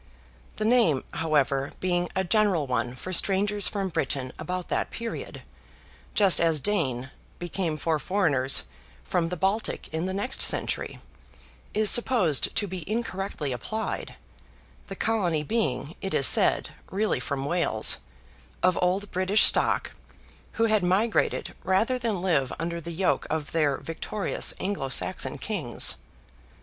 The name, however, being a general one for strangers from Britain about that period, just as Dane became for foreigners from the Baltic in the next century, is supposed to be incorrectly applied: the colony being, it is said, really from Wales, of old British stock, who had migrated rather than live under the yoke of their victorious Anglo Saxon Kings.